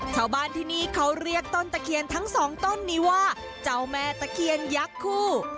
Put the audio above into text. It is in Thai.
ชาวบ้านที่นี่เขาเรียกต้นตะเคียนทั้งสองต้นนี้ว่าเจ้าแม่ตะเคียนยักษ์คู่